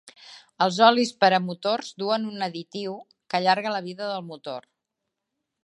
Els olis per a motors duen un additiu que allarga la vida del motor.